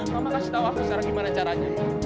mama kasih tahu aku secara gimana caranya